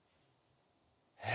えっ？